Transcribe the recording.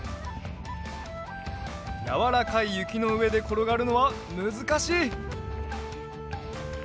やわらかいゆきのうえでころがるのはむずかしい！